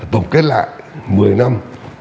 tổng kết lại một mươi năm